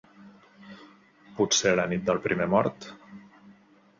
Potser la nit del primer mort.